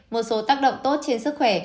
một số tác động tốt trên sức khỏe